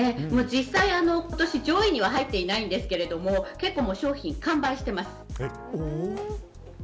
実際、今年上位には入っていないんですけど完売している。